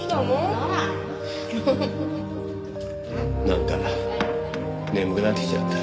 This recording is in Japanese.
なんか眠くなってきちゃった。